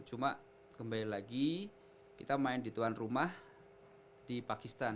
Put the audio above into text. cuma kembali lagi kita main di tuan rumah di pakistan